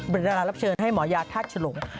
บริษัทรรับเชิญให้หมอยาทาชลง